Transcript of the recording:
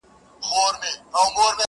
دا متل دی له پخوا د اولنیو!!